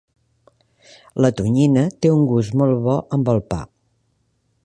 La tonyina té un gust molt bo amb el pa.